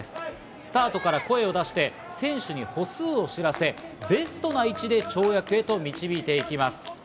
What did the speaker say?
スタートから声を出して、選手に歩数を知らせ、ベストな位置で跳躍へと導いていきます。